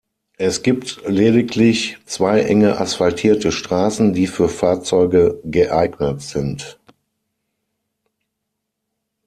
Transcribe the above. Es gibt lediglich zwei enge asphaltierte Straßen, die für Fahrzeuge geeignet sind.